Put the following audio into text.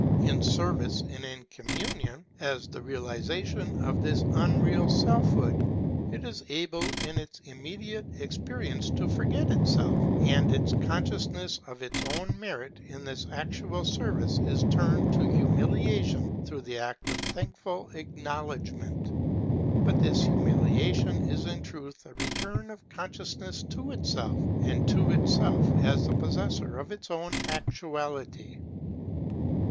In service and in communion, as the realiza tion of this unreal selfhood, it is able in its immediate experi ence to forget itself, and its consciousness of its own merit in this actual service is turned to humiliation through the act of thankful acknowledgment. But this humiliation is in truth a return of consciousness to itself, and to itself as the possessor of its own actuality.